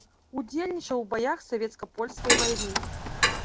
Удзельнічаў у баях савецка-польскай вайны.